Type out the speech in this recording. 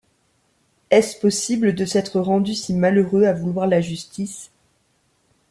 Est-ce possible, de s’être rendu si malheureux à vouloir la justice!